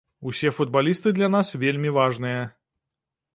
Усе футбалісты для нас вельмі важныя.